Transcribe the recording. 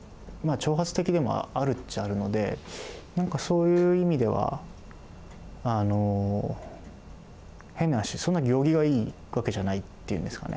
挑発的でもあるっちゃあるのでなんかそういう意味では変な話そんな行儀がいいわけじゃないっていうんですかね。